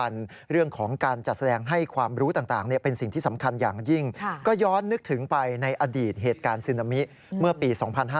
ที่สำคัญอย่างยิ่งก็ย้อนนึกถึงไปในอดีตเหตุการณ์ซึนมิเมื่อปี๒๕๔๗